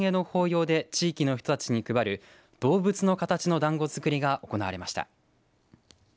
はん会の法要で地域の人たちに配る動物の形のだんごづくりが行われました。